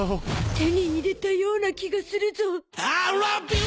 手に入れたような気がするゾ。